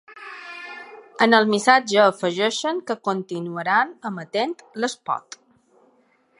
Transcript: En el missatge afegeixen que continuaran emetent l’espot.